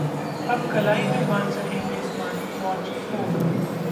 अब कलाई में बांध सकेंगे स्मार्टवॉच फोन